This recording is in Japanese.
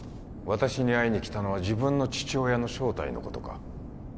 私に会いに来たのは自分の父親の正体のことか？